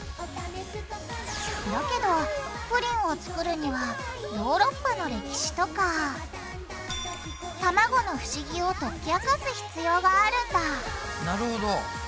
だけどプリンを作るにはヨーロッパの歴史とかたまごの不思議を解き明かす必要があるんだなるほど。